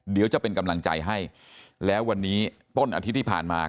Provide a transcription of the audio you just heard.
เดี๋ยวจะเป็นกำลังใจให้แล้ววันนี้ต้นอาทิตย์ที่ผ่านมา